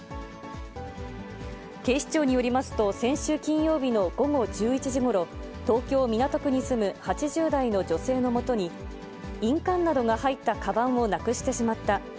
警視庁によりますと、先週金曜日の午後１１時ごろ、東京・港区に住む８０代の女性のもとに、印鑑などが入ったかばんをなくしてしまった。